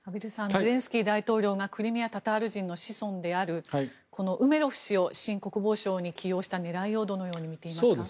ゼレンスキー大統領がクリミア・タタール人の子孫であるこのウメロフ氏を新国防相に起用した狙いをどのように見ていますか？